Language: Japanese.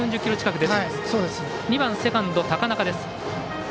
２番セカンド、高中です。